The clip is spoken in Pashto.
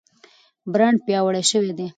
برانډ پیاوړی شوی دی.